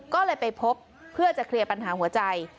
ก็เลยไปพบเพื่อจะเคลียร์ปัญหาหัวใจ